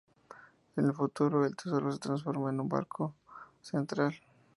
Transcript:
En el futuro, el Tesoro se transformó en un banco central.